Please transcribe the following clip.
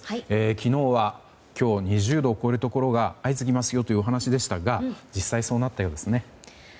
昨日は今日２０度を超えるところが相次ぎますよというお話でしたが実際、そうなったようですね。